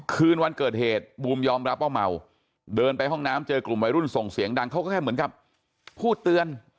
คืนวันเกิดเหตุบูมยอมรับว่าเมาเดินไปห้องน้ำเจอกลุ่มวัยรุ่นส่งเสียงดังเขาก็แค่เหมือนกับพูดเตือน